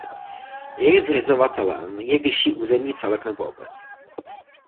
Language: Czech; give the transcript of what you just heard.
Jejich zřizovatelem je vyšší územní celek nebo obec.